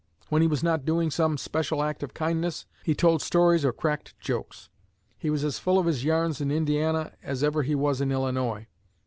When he was not doing some special act of kindness, he told stories or 'cracked jokes.' He was as full of his yarns in Indiana as ever he was in Illinois.